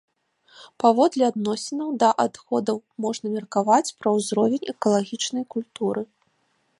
Паводле адносінаў да адходаў можна меркаваць пра ўзровень экалагічнай культуры.